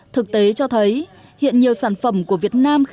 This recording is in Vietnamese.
thực tế cho thấy hiện nhiều sản phẩm của việt nam